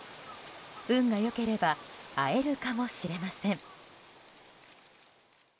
運が良ければ会えるかもしれません。